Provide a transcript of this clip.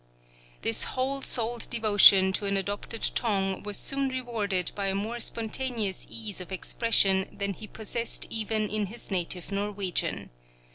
This whole souled devotion to an adopted tongue was soon rewarded by a more spontaneous ease of expression than he possessed even in his native Norwegian.